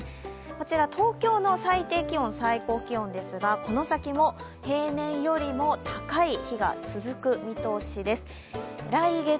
こちら東京の最低気温、最高気温ですがこの先も平年よりも高い日が続く見通しです。